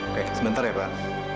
oke sebentar ya mbak